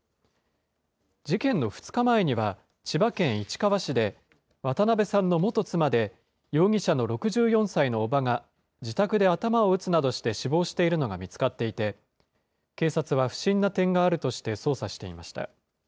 事件の２日前には、千葉県市川市で、渡邉さんの元妻で容疑者の６４歳の伯母が、自宅で頭を打つなどして死亡しているのが見つかっていて、警察は不審な点があるとして捜査していました。